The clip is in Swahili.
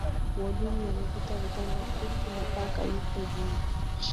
wodini amekuta vitanda tupu na paka yuko juu